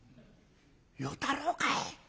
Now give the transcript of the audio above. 「与太郎かい！